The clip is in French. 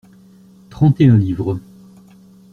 Trente et un livres.